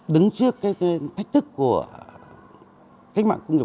đứng trước cái thách thức của cách mạng công nghiệp